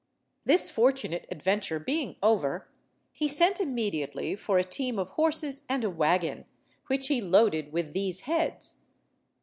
This fortunate adventure being over, he sent immediately for a team of horses and a wagon, which he loaded with these heads.